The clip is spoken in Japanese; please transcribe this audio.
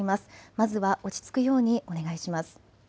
まずは落ち着くようにお願いします。